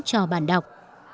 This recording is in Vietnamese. cho bạn đọc